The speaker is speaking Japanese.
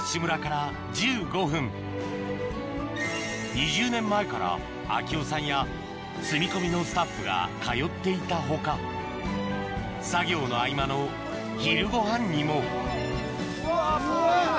２０年前から明雄さんや住み込みのスタッフが通っていた他作業の合間の昼ごはんにもうわ！